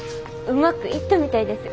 うまくいったみたいです。